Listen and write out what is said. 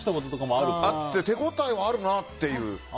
あって手応えはあるなっていう。